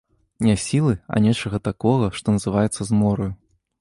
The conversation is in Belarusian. Не сілы, а нечага такога, што называецца змораю.